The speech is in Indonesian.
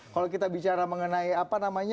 kalau kita bicara mengenai apa namanya